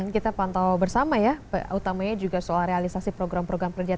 kita pantau bersama ya utamanya juga soal realisasi program program kerja